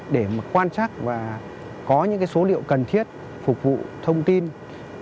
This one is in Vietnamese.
để mà quan trắc và có những cái số liệu cần thiết phục vụ thông tin về những cái hoạt động động đất kích thích